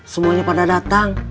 semuanya pada datang